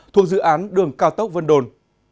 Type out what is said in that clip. thuộc dự án đường cao tốc vân đồn